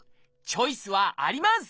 チョイスはあります！